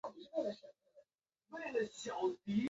目前该杂志在中国和日本同时印刷发行。